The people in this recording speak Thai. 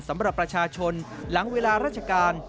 สำหรับประชาชนหลังเวลาราชการ